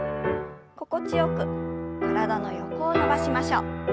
心地よく体の横を伸ばしましょう。